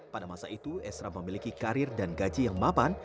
pada masa itu esra memiliki karir dan gaji yang mapan